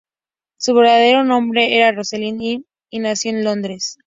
Su verdadero nombre era Rose Lilian Hill y nació en Londres.